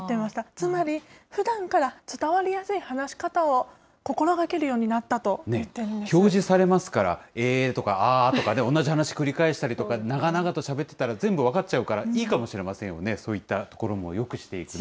つまりふだんから伝わりやすい話し方を心がけるようになったとい表示されますから、えーとかあーとかね、同じ話繰り返したりとか、長々としゃべってたら、全部分かっちゃうから、いいかもしれませんよね、そういったところもよくしていく。